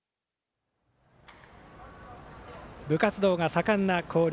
部活動が盛んな広陵。